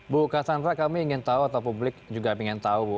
bu kasandra kami ingin tahu atau publik juga ingin tahu bu